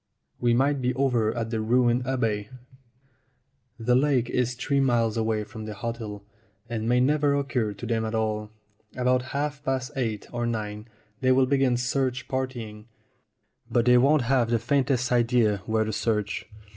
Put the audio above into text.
We might be over at the ruined abbey. The lake is three miles away from the hotel, and may never occur to them at all. About half past eight or nine they will begin search partying, but they won't have the faintest idea where to search.